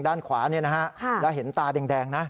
ด้านขวานี่นะฮะแล้วเห็นตาแดงนะ